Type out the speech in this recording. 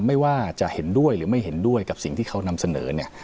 ไม่ว่าจะเห็นด้วยหรือไม่เห็นด้วยกับสิ่งที่เขานำเสนอเนี่ย